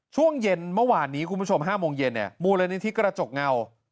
ช่วงเย็นเมื่อวานนี้คุณผู้ชม๕โมงเย็นเนี่ยมูลนิธิกระจกเงา